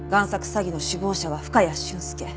詐欺の首謀者は深谷俊介。